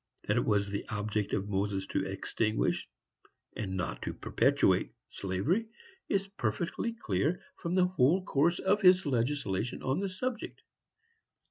That it was the object of Moses to extinguish, and not to perpetuate, slavery, is perfectly clear from the whole course of his legislation on the subject.